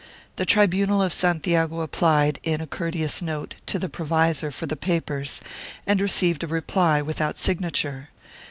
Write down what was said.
The tribunal of Santiago applied, in a courteous note, to the provisor for the papers and received a reply without signature.